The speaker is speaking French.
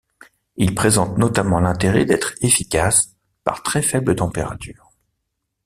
Ils présentent notamment l'intérêt d'être efficaces par très faible température.